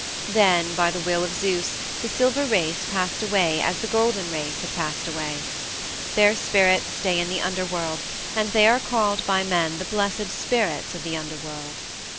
Then, by the will of Zeus, the Silver Race passed away as the Golden Race had passed away. Their spirits stay in the Underworld, and they are called by men the blessed spirits of the Underworld.